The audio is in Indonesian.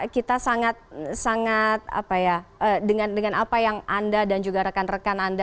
kita sangat sangat apa ya dengan apa yang anda dan juga rekan rekan anda